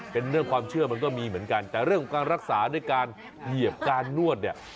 เป็นเรื่องความเชื่อมันก็มีเหมือนกันแต่เรื่องของการรักษาด้วยการเหยียบการนวดเนี่ย